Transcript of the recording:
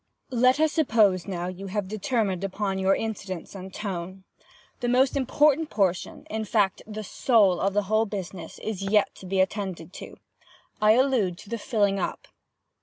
"Let us suppose now you have determined upon your incidents and tone. The most important portion—in fact, the soul of the whole business, is yet to be attended to—I allude to the filling up.